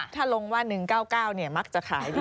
ถ้าลงว่า๑๙๙มักจะขายดี